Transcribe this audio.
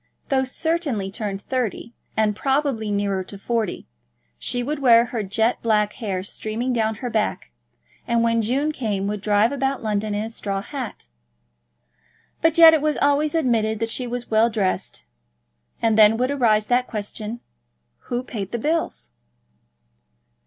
Though certainly turned thirty, and probably nearer to forty, she would wear her jet black hair streaming down her back, and when June came would drive about London in a straw hat. But yet it was always admitted that she was well dressed. And then would arise that question, who paid the bills?